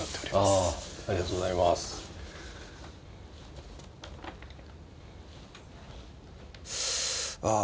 ああありがとうございますああ